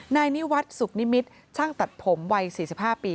นายนิวัฒน์สุขนิมิตรช่างตัดผมวัย๔๕ปี